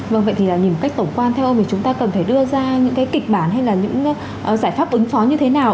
vâng vậy thì nhìn một cách tổng quan theo ông thì chúng ta cần phải đưa ra những cái kịch bản hay là những giải pháp ứng phó như thế nào